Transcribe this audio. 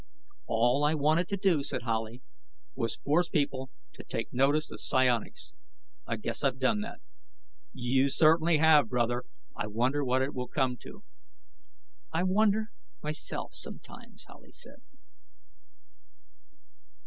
"All I wanted to do," said Howley, "was force people to take notice of psionics. I guess I've done that." "You certainly have, brother. I wonder what it will come to?" "I wonder, myself, sometimes," Howley said.